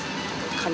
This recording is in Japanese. カニ